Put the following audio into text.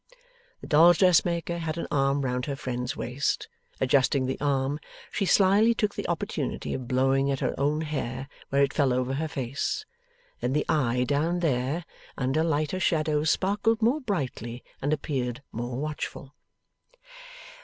The dolls' dressmaker had an arm round her friend's waist. Adjusting the arm, she slyly took the opportunity of blowing at her own hair where it fell over her face; then the eye down there, under lighter shadows sparkled more brightly and appeared more watchful.